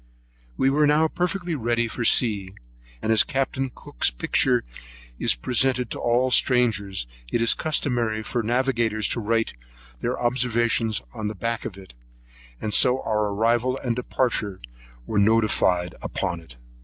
We were now perfectly ready for sea; and as Capt. Cook's picture is presented to all strangers, it is customary for navigators to write their observations on the back of it; so our arrival and departure was notified upon it.